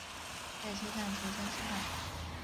在车上全身是汗